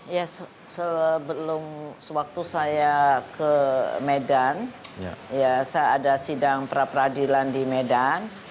ya sebelum sewaktu saya ke medan ya saya ada sidang pra peradilan di medan